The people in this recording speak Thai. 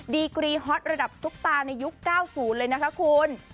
ดีกรีฮอตระดับซุปตาในยุค๙๐เลยนะคะคุณ